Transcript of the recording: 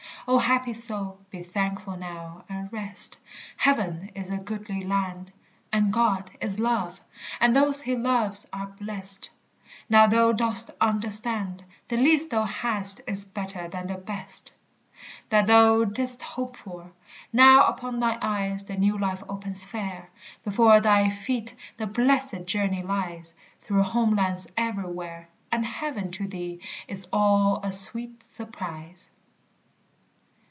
O happy soul, be thankful now and rest! Heaven is a goodly land; And God is love; and those he loves are blest; Now thou dost understand; The least thou hast is better than the best That thou didst hope for; now upon thine eyes The new life opens fair; Before thy feet the Blessed journey lies Through homelands everywhere; And heaven to thee is all a sweet surprise.